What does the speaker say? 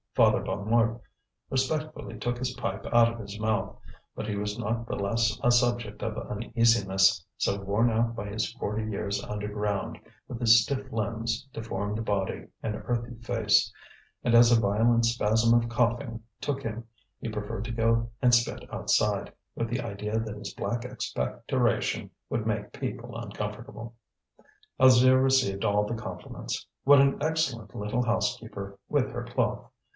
Father Bonnemort respectfully took his pipe out of his mouth; but he was not the less a subject of uneasiness, so worn out by his forty years underground, with his stiff limbs, deformed body, and earthy face; and as a violent spasm of coughing took him he preferred to go and spit outside, with the idea that his black expectoration would make people uncomfortable. Alzire received all the compliments. What an excellent little housekeeper, with her cloth!